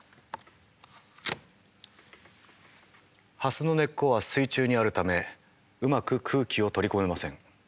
ハスの根っこは水中にあるためうまく空気を取り込めません。